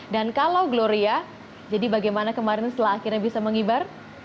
dan kalau gloria jadi bagaimana kemarin setelah akhirnya bisa mengibar